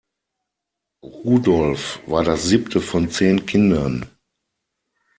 Rudolf war das siebte von zehn Kindern.